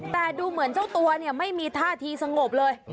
แต่ดูเหมือนเจ้าตัวไม่มีท่าทีสงบเลย